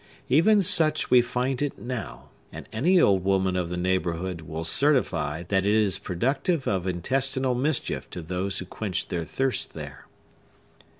Even such we find it now; and any old woman of the neighborhood will certify that it is productive of intestinal mischief to those who quench their thirst there.